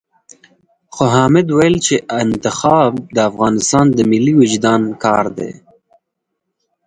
خو حامد ويل چې انتخاب د افغانستان د ملي وُجدان کار دی.